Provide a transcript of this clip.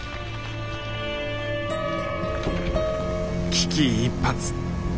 危機一髪。